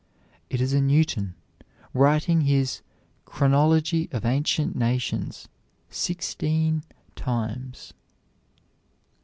It is a Newton, writing his "Chronology of Ancient Nations" sixteen times.